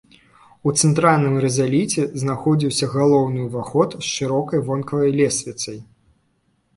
У цэнтральным рызаліце знаходзіўся галоўны ўваход з шырокай вонкавай лесвіцай.